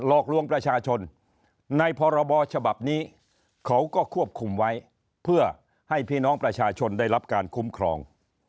อกลวงประชาชนในพรบฉบับนี้เขาก็ควบคุมไว้เพื่อให้พี่น้องประชาชนได้รับการคุ้มครอง